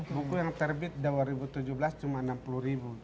buku yang terbit dua ribu tujuh belas cuma enam puluh ribu